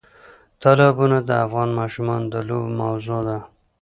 تالابونه د افغان ماشومانو د لوبو موضوع ده.